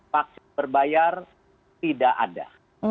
vaksin berbayar tidak ada